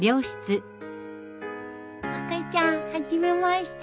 赤ちゃん初めまして。